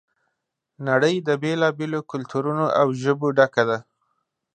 نړۍ د بېلا بېلو کلتورونو او ژبو ډکه ده.